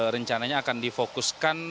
rencananya akan difokuskan